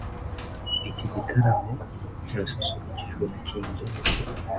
Iki gitaramo cyasusurukijwe na King James ubwe